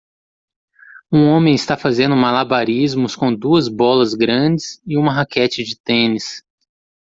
Um homem está fazendo malabarismos com duas bolas grandes e uma raquete de tênis.